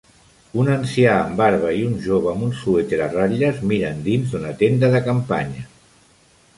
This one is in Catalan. Un ancià amb barba i un jove amb un suèter a ratlles miren dins d'una tenda de campanya